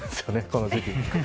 この時期。